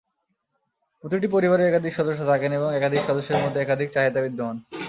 প্রতিটি পরিবারেই একাধিক সদস্য থাকেন এবং একাধিক সদস্যের মধ্যে একাধিক চাহিদা বিদ্যমান।